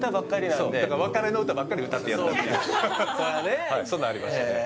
なんで別れの歌ばっかり歌ってやったっていうそういうのありましたね